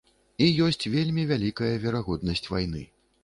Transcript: І ёсць вельмі вялікая верагоднасць вайны.